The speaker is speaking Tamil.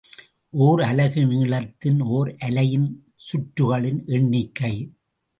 ஒர் அலகு நீளத்தின் ஒர் அலையின் சுற்றுகளின் எண்ணிக்கை.